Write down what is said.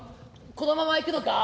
このまま行くのか？